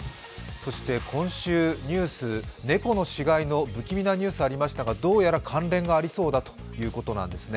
そして今週、猫の死骸の不気味なニュースがありましたがどうやら関連がありそうだということのようなんですね。